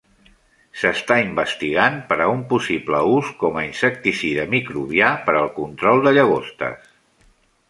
S'està investigant per a un possible ús com a insecticida microbià per al control de llagostes.